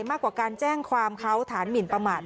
มากกว่าการแจ้งความเขาฐานหมินประมาท